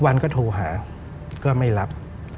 วันก็โทรหาก็ไม่รับ